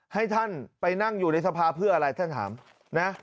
ให้ท่านไปนั่งอยู่ในสภาเพื่ออะไรท่านถามนะ